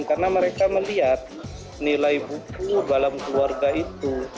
karena mereka melihat nilai buku dalam keluarga itu